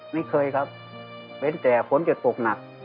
ไม่เคยครับเว้นแต่ฝนจะตกหนัก